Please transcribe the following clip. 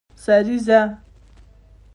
سریزه